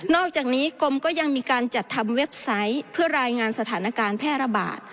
อกจากนี้กรมก็ยังมีการจัดทำเว็บไซต์เพื่อรายงานสถานการณ์แพร่ระบาด